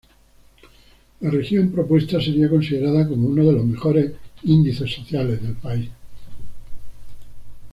La región propuesta sería considerada como uno de los mejores índices sociales del país.